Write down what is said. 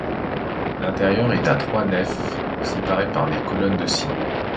L'intérieur est à trois nefs séparées par des colonnes de ciment.